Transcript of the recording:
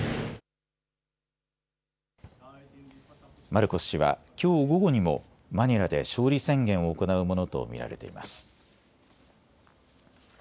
マルコス氏はきょう午後にもマニラで勝利宣言を行うものと見られています。